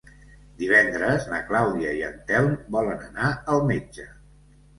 Divendres na Clàudia i en Telm volen anar al metge.